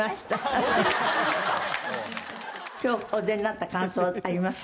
今日お出になった感想あります？